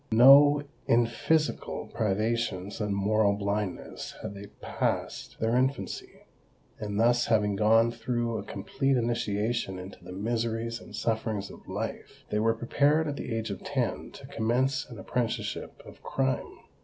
No—in physical privations and moral blindness had they passed their infancy:—and thus, having gone through a complete initiation into the miseries and sufferings of life, they were prepared at the age of ten to commence an apprenticeship of crime.